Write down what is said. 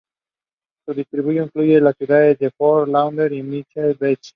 Su distrito incluye las ciudades de Fort Lauderdale y Miami Beach.